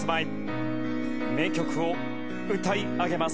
名曲を歌い上げます。